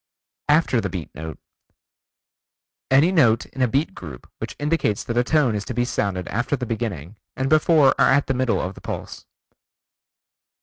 After the Beat Note: Any note in a beat group which indicates that a tone is to be sounded after the beginning, and before or at the middle of the pulse.